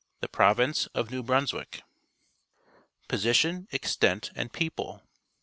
THE PROVINCE OF NEW BRUNSWICK Position, Extent, and People.